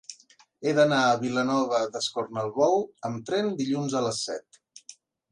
He d'anar a Vilanova d'Escornalbou amb tren dilluns a les set.